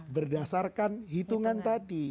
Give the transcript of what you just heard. berdasarkan hitungan tadi